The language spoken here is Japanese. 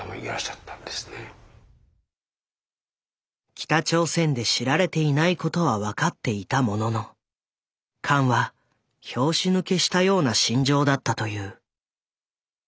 北朝鮮で知られていないことは分かっていたもののカンは拍子抜けしたような心情だったという。